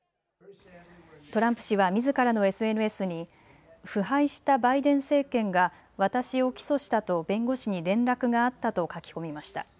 トランプ氏はみずからのＳＮＳに腐敗したバイデン政権が私を起訴したと弁護士に連絡があったと書き込みました。